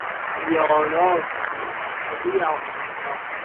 ایالات متحده امریکا